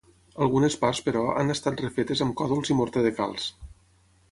Algunes parts, però, han estat refetes amb còdols i morter de calç.